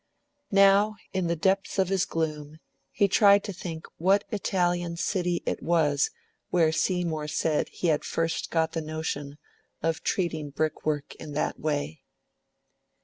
Now, in the depths of his gloom, he tried to think what Italian city it was where Seymour said he had first got the notion of treating brick work in that way.